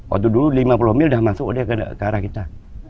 waktu dulu lima puluh mil sudah masuk ke arah kita